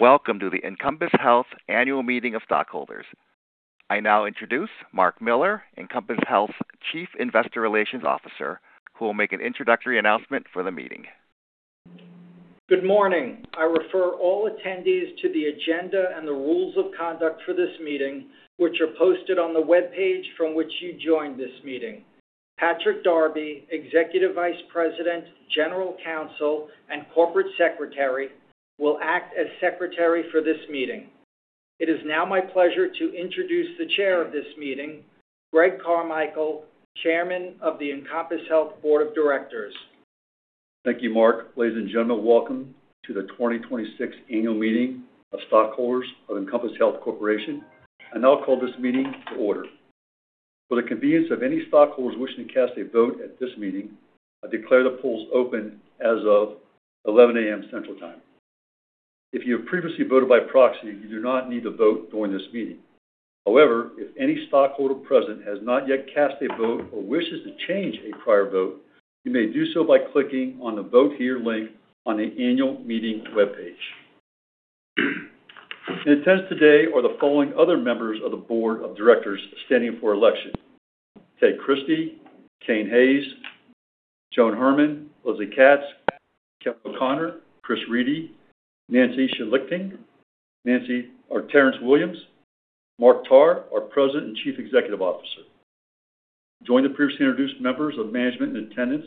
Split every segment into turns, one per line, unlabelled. Welcome to the Encompass Health annual meeting of stockholders. I now introduce Mark Miller, Encompass Health Chief Investor Relations Officer, who will make an introductory announcement for the meeting.
Good morning. I refer all attendees to the agenda and the rules of conduct for this meeting, which are posted on the webpage from which you joined this meeting. Patrick Darby, Executive Vice President, General Counsel, and Corporate Secretary, will act as secretary for this meeting. It is now my pleasure to introduce the chair of this meeting, Greg Carmichael, Chairman of the Encompass Health Board of Directors.
Thank you, Mark. Ladies and gentlemen, welcome to the 2026 annual meeting of stockholders of Encompass Health Corporation. I now call this meeting to order. For the convenience of any stockholders wishing to cast a vote at this meeting, I declare the polls open as of 11:00 A.M. Central Time. If you have previously voted by proxy, you do not need to vote during this meeting. However, if any stockholder present has not yet cast a vote or wishes to change a prior vote, you may do so by clicking on the Vote Here link on the annual meeting webpage. In attendance today are the following other members of the Board of Directors standing for election: Ted Christie, Cain A. Hayes, Joan E. Herman, Leslye G. Katz, Kevin O'Connor, Christopher R. Reidy, Nancy Schlichting, Mark J. Tarr, our President and Chief Executive Officer. Joining the previously introduced members of management in attendance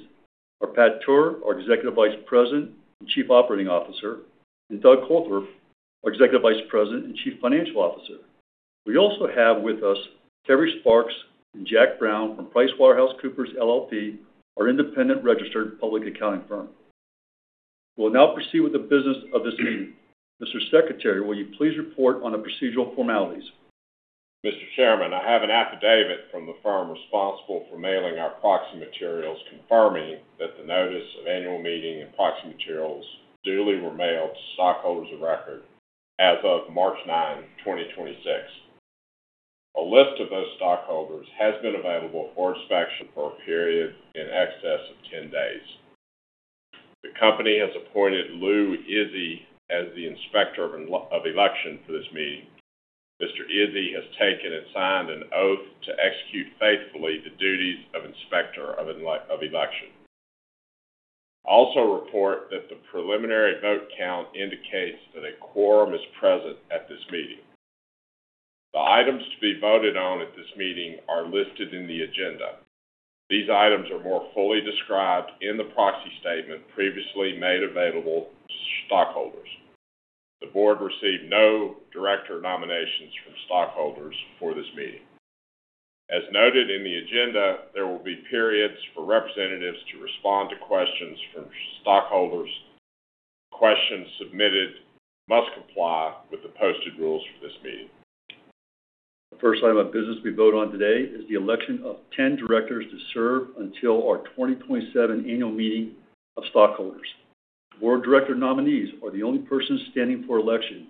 are Patrick Tuer, our Executive Vice President and Chief Operating Officer, and Douglas Coltharp, our Executive Vice President and Chief Financial Officer. We also have with us Terry Sparks and Jack Brown from PricewaterhouseCoopers, LLP, our independent registered public accounting firm. We will now proceed with the business of this meeting. Mr. Secretary, will you please report on the procedural formalities?
Mr. Chairman, I have an affidavit from the firm responsible for mailing our proxy materials, confirming that the notice of annual meeting and proxy materials duly were mailed to stockholders of record as of March 9, 2026. A list of those stockholders has been available for inspection for a period in excess of 10 days. The company has appointed Louis Izzi as the Inspector of Election for this meeting. Mr. Izzi has taken and signed an oath to execute faithfully the duties of Inspector of Election. I also report that the preliminary vote count indicates that a quorum is present at this meeting. The items to be voted on at this meeting are listed in the agenda. These items are more fully described in the proxy statement previously made available to stockholders. The board received no director nominations from stockholders for this meeting. As noted in the agenda, there will be periods for representatives to respond to questions from stockholders. Questions submitted must comply with the posted rules for this meeting.
The first item of business we vote on today is the election of 10 directors to serve until our 2027 annual meeting of stockholders. The board of director nominees are the only persons standing for election,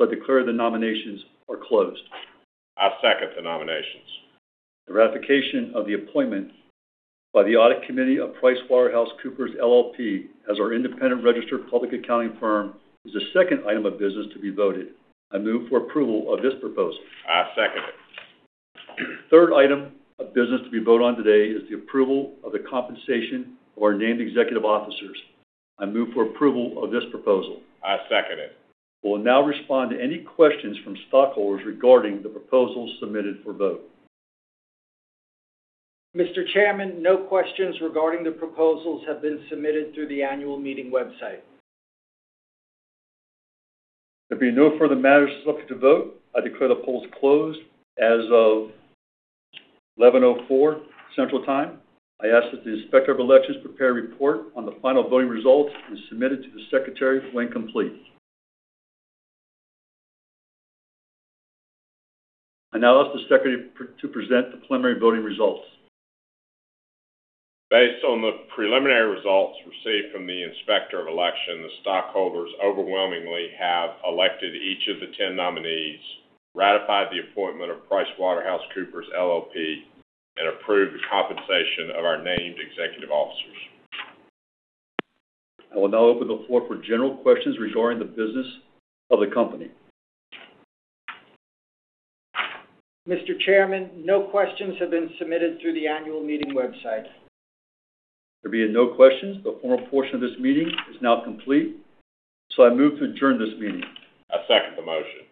I declare the nominations are closed.
I second the nominations.
The ratification of the appointment by the audit committee of PricewaterhouseCoopers LLP, as our independent registered public accounting firm is the second item of business to be voted. I move for approval of this proposal.
I second it.
Third item of business to be voted on today is the approval of the compensation of our named executive officers. I move for approval of this proposal.
I second it.
We will now respond to any questions from stockholders regarding the proposals submitted for vote.
Mr. Chairman, no questions regarding the proposals have been submitted through the annual meeting website.
There being no further matters subject to vote, I declare the polls closed as of 11:04 Central Time. I ask that the Inspector of Election prepare a report on the final voting results and submit it to the Secretary when complete. I now ask the Secretary to present the preliminary voting results.
Based on the preliminary results received from the Inspector of Election, the stockholders overwhelmingly have elected each of the 10 nominees, ratified the appointment of PricewaterhouseCoopers LLP, and approved the compensation of our named executive officers.
I will now open the floor for general questions regarding the business of the company.
Mr. Chairman, no questions have been submitted through the annual meeting website.
There being no questions, the formal portion of this meeting is now complete, so I move to adjourn this meeting.
I second the motion.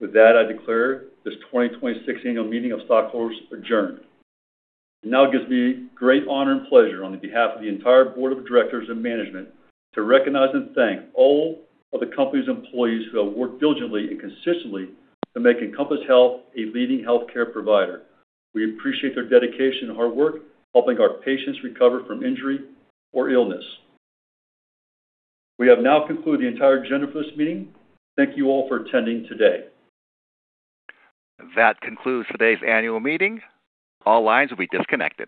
With that, I declare this 2026 annual meeting of stockholders adjourned. It now gives me great honor and pleasure on the behalf of the entire board of directors and management to recognize and thank all of the company's employees who have worked diligently and consistently to make Encompass Health a leading healthcare provider. We appreciate their dedication and hard work helping our patients recover from injury or illness. We have now concluded the entire agenda for this meeting. Thank you all for attending today.
That concludes today's annual meeting. All lines will be disconnected.